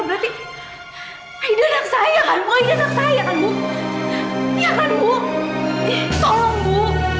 berarti aida anak saya kan aida anak saya kan bu